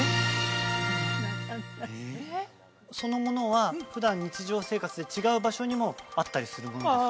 そのものは普段日常生活で違う場所にもあったりするものですか？